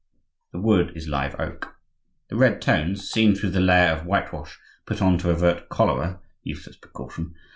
The wood is live oak. The red tones, seen through the layer of whitewash put on to avert cholera (useless precaution!)